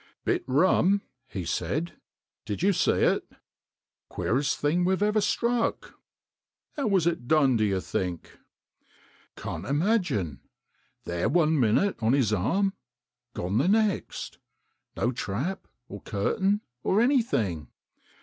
" Bit rum," he said. " Did you see it ?"" Queerest thing we've struck." " How was it done do you think ?"" Can't imagine. There one minute on his arm, gone the next, no trap, or curtain, or anything."